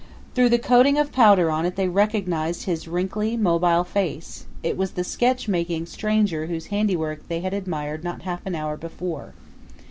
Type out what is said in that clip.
Through the coating of powder on it they recognized his wrinkly, mobile face: it was the sketch making stranger whose handiwork they had admired not half an hour before.